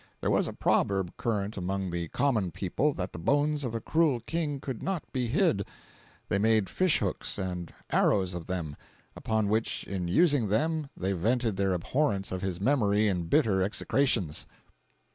There was a proverb current among the common people that the bones of a cruel King could not be hid; they made fish hooks and arrows of them, upon which, in using them, they vented their abhorrence of his memory in bitter execrations."